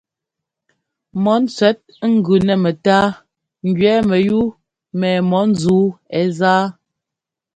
Mɔ ńtsẅɛt ŋ gʉ nɛ mɛtáa ŋgẅɛɛ mɛyúu mɛ mɔ ńzúu ɛ́ záa.